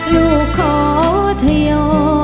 ลูกขอเธอยอม